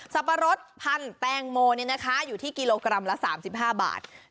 สับปะรดพันธุ์แป้งโมเนี่ยนะคะอยู่ที่กิโลกรัมละ๓๕บาท